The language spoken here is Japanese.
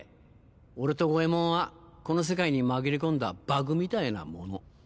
俺と五ェ門はこの世界に紛れ込んだバグみたいなもの。